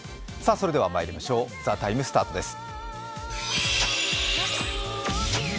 それではまいりましょう、「ＴＨＥＴＩＭＥ，」スタートです。